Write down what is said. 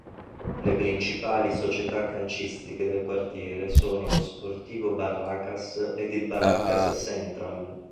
La principali società calcistiche del quartiere sono lo Sportivo Barracas ed il Barracas Central.